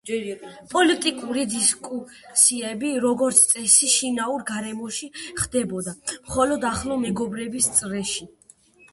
პოლიტიკური დისკუსიები როგორც წესი შინაურ გარემოში ხდებოდა, მხოლოდ ახლო მეგობრების წრეში.